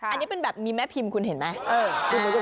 อันนี้เป็นแบบมีแม่พิมพ์คุณเห็นไหม